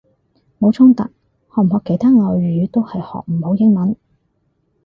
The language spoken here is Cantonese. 冇衝突，學唔學其他外語都係學唔好英文！